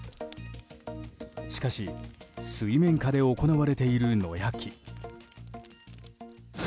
しかし、水面下で行われている野焼き。